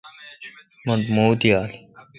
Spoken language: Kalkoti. مٹھ موُت یال۔